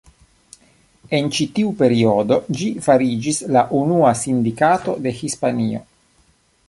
En ĉi tiu periodo ĝi fariĝis la unua sindikato de Hispanio.